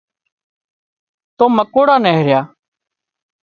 تو مڪوڙا نيهريا